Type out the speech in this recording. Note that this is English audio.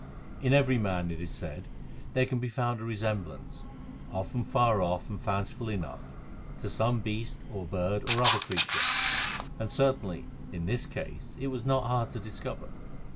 In every man, it is said, there can be found a resemblance, often far off and fanciful enough, to some beast or bird or other creature, and certainly in this case it was not hard to discover.